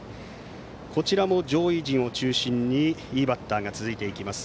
こちらも上位陣を中心にいいバッターが続いていきます。